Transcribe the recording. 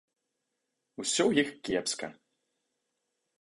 Усё ў іх кепска.